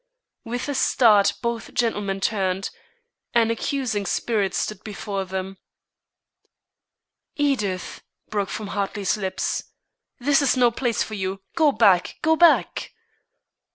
With a start both gentlemen turned; an accusing spirit stood before them. "Edith!" broke from Hartley's lips. "This is no place for you! Go back! go back!"